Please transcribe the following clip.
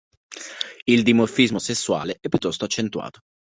Il dimorfismo sessuale è piuttosto accentuato.